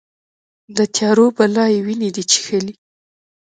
د تیارو بلا یې وینې دي چیښلې